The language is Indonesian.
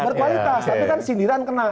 berkualitas tapi kan sindiran kena